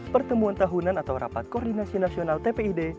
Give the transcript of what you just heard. pertemuan tahunan atau rapat koordinasi nasional tpid